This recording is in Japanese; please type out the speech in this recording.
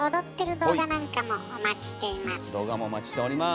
動画もお待ちしております。